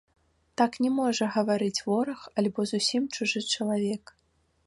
Так не можа гаварыць вораг альбо зусім чужы чалавек.